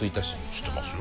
知ってますよ。